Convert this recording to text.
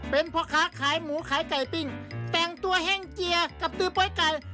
เป็นพ่อค้าขายหมูขายไก่ปิ้งแต่งตัวแห้งเจียกับตือโป๊ยไก่